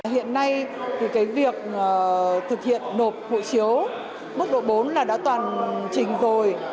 hiện nay thì cái việc thực hiện nộp hộ chiếu mức độ bốn là đã toàn trình rồi